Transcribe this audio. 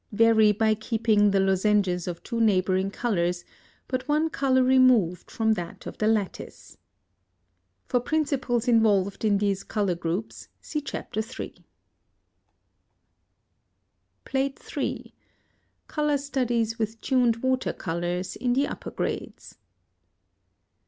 Vary by keeping the lozenges of two neighboring colors, but one color removed from that of the lattice. For principles involved in these color groups, see Chapter III. PLATE III. COLOR STUDIES WITH TUNED WATER COLORS IN THE UPPER GRADES.